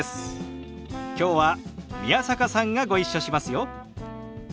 きょうは宮坂さんがご一緒しますよ。